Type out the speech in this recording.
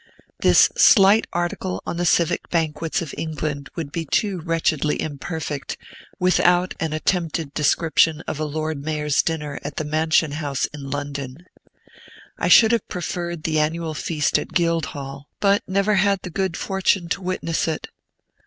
This slight article on the civic banquets of England would be too wretchedly imperfect, without an attempted description of a Lord Mayor's dinner at the Mansion House in London. I should have preferred the annual feast at Guildhall, but never had the good fortune to witness it.